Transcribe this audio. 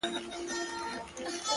زما په لاس كي هتكړۍ داخو دلې ويـنـمـه!